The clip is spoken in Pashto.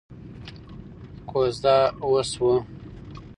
کوژده وشوه.